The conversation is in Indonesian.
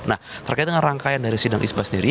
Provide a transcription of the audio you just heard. nah terkait dengan rangkaian dari sidang isba sendiri